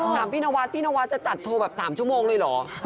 ถามพี่นวัดพี่นวัดจะจัดโทรแบบ๓ชั่วโมงเลยเหรอ